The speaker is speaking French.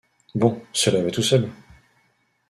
Bon, cela va tout seul !